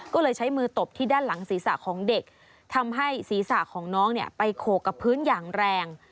ก็เลยใช้มือตบที่ด้านหลังศีรษะของเด็กทำให้ศีรษะของน้องเนี่ยไปโขกกับพื้นอย่างแรง